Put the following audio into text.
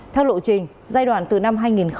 theo lộ trình giai đoạn từ năm